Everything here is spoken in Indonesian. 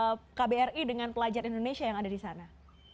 apakah ada komunikasi yang intens antara kbri dengan pelajar indonesia yang ada di sana